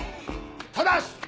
ただし！